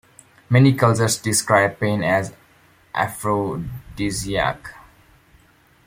Many cultures describe pain as an aphrodisiac.